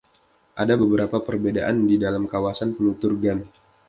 Ada beberapa perbedaan di dalam kawasan penutur Gan.